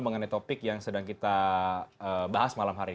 mengenai topik yang sedang kita bahas malam hari ini